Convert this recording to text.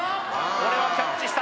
これはキャッチした